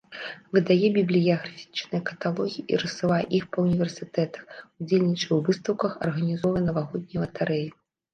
Выдае бібліяграфічныя каталогі і рассылае іх па універсітэтах, удзельнічае ў выстаўках, арганізоўвае навагоднія латарэі.